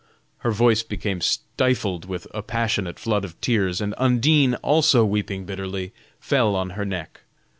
Her voice became stifled with a passionate flood of tears, and Undine, also weeping bitterly, fell on her neck.